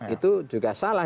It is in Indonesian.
itu juga salah